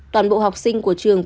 toàn bộ học sinh của trường